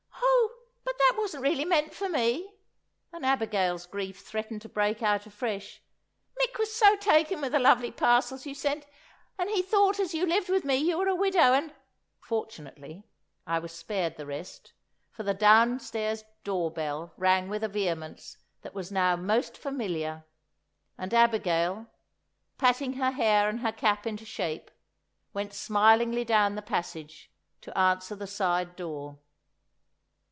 "Oh, but that wasn't really meant for me," and Abigail's grief threatened to break out afresh. "Mick was so taken with the lovely parcels you sent, and he thought as you lived with me you were a widow, and——" Fortunately, I was spared the rest, for the downstairs door bell rang with a vehemence that was now most familiar, and Abigail, patting her hair and her cap into shape, went smilingly down the passage to answer the side door.